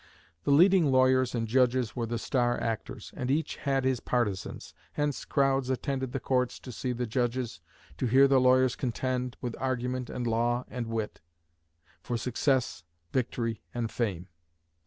The leading lawyers and judges were the star actors, and had each his partisans. Hence crowds attended the courts to see the judges, to hear the lawyers contend, with argument and law and wit, for success, victory, and fame.